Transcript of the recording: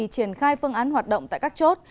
triển khai phương án hoạt động tại các chốt